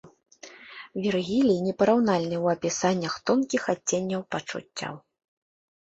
Вергілій непараўнальны ў апісаннях тонкіх адценняў пачуццяў.